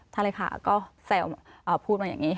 เลขาก็แซวพูดมาอย่างนี้